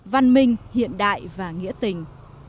văn minh hiện đại và nghĩa tình